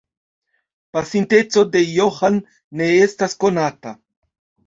Pasinteco de Johan ne estas konata.